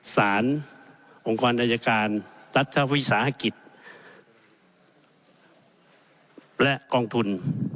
ศาลองค์กรนรัฐการณ์รัฐวิศาสตร์ฯภักดิ์และกองทุน